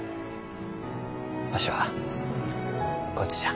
わしはこっちじゃ。